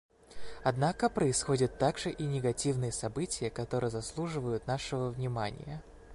Однако происходят также и негативные события, которые заслуживают нашего внимания.